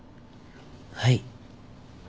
はい。